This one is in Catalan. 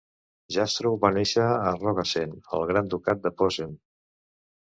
Jastrow va néixer a Rogasen al Gran Ducat de Posen.